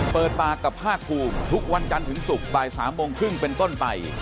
เปิดปากกับภาคภูมิทุกวันจันทร์ถึงศุกร์บ่าย๓โมงครึ่งเป็นต้นไป